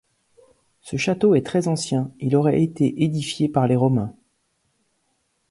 Ce château est très ancien, il aurait été édifié par les Romains.